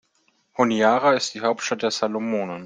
Honiara ist die Hauptstadt der Salomonen.